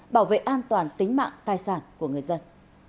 bảo vệ an toàn tính mạng tài sản của người dân